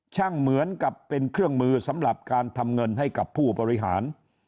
เหมือนกับเป็นเครื่องมือสำหรับการทำเงินให้กับผู้บริหาร